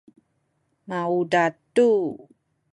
maudad tu